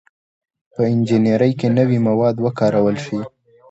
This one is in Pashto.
• په انجینرۍ کې نوي مواد وکارول شول.